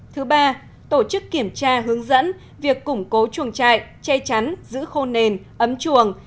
thứ ba tổ chức kiểm tra hướng dẫn việc củng cố chuồng trại che chắn giữ khô nền ấm chuồng